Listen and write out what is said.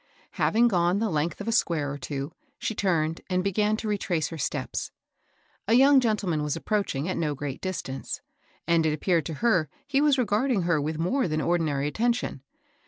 Having gone the length of a square or two, she tamed and began to retrace her steps. A young gentleman was approaching, at no great distance ; and it appeared to her he was regarding her with more than ordinary attention.